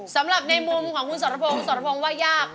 สำหรับในมุมของคุณสภพงว่ายาก